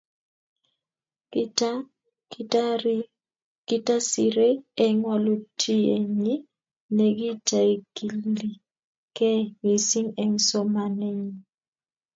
Kitasirei eng walutienyi nekitaikilikei mising eng somanenyi